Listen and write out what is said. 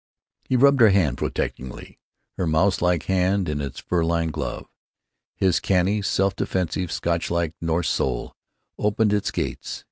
" He rubbed her hand protectingly, her mouselike hand in its fur lined glove. His canny, self defensive, Scotchlike Norse soul opened its gates.